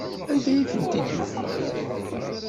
Anda ay tent-id-yufa?